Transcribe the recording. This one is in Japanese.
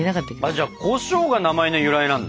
じゃあコショウが名前の由来なんだ。